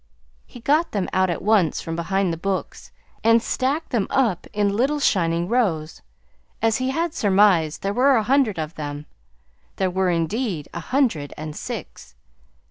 He got them out at once from behind the books, and stacked them up in little shining rows. As he had surmised, there were a hundred of them. There were, indeed, a hundred and six.